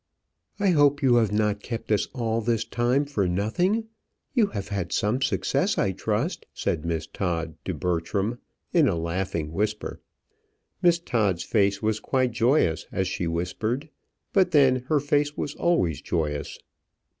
"I hope you have not kept us all this time for nothing: you have had some success, I trust?" said Miss Todd to Bertram, in a laughing whisper. Miss Todd's face was quite joyous as she whispered; but then her face was always joyous.